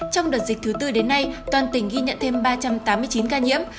trong đợt dịch thứ tư đến nay toàn tỉnh ghi nhận thêm ba trăm tám mươi chín ca nhiễm